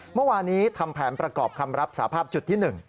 เมื่อวานนี้ทำแผนประกอบคำรับสาภาพจุดที่๑